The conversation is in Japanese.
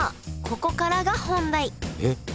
ここからが本題えっ？